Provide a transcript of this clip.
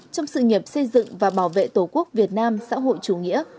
trong sự nghiệp xây dựng và bảo vệ tổ quốc việt nam xã hội chủ nghĩa